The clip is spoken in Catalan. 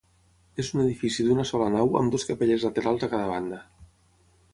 És un edifici d'una sola nau amb dues capelles laterals a cada banda.